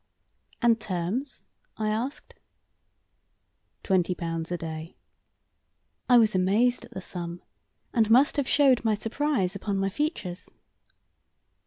"And terms?" I asked. "Twenty pounds a day." I was amazed at the sum, and must have showed my surprise upon my features.